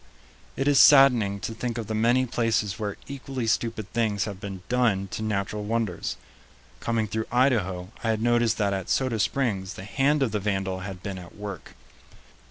It is saddening to think of the many places where equally stupid things have been done to natural wonders. Coming through Idaho, I had noticed that at Soda Springs the hand of the vandal had been at work.